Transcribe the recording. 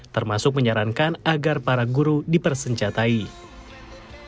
termasuk menyarankan agar para guru dipersenjatai